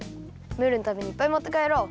ムールのためにいっぱいもってかえろう。